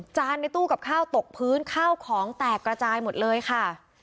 จานในตู้กับข้าวตกพื้นข้าวของแตกระจายหมดเลยค่ะ